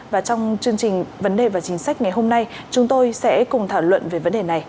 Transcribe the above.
và trong chương trình vấn đề và chính sách ngày hôm nay chúng tôi sẽ cùng thảo luận về vấn đề này